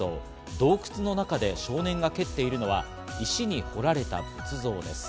洞窟の中で少年が蹴っているのは石に彫られた仏像です。